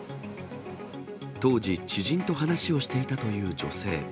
当時、知人と話をしていたという女性。